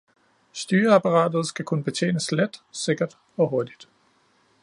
Styreapparatet skal kunne betjenes let, sikkert og hurtigt